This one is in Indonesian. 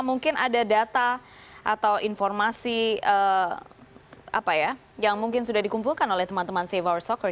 mungkin ada data atau informasi yang mungkin sudah dikumpulkan oleh teman teman save our soccer